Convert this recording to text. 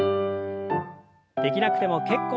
できなくても結構です。